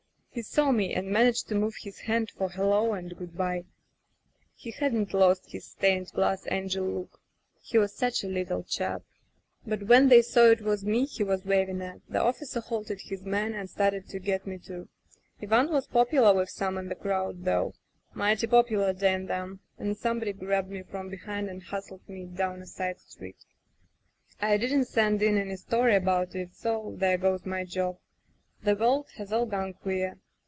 He saw me and managed to move his hand for hello and good by. He hadn't lost his stained glass angel look. He was such a little chap. ... "But when they saw it was me he was waving at, the officer halted his men and started to get me too. Ivan was popular with some in the crowd* though; mighty popular — damn 'cm 1— and somebody grabbed me [ 224 ] Digitized by LjOOQ IC Martha from behind and hustled me down a side street. ••• "I didn't send in any story about it, so there goes my job. ... The world has all gone queer.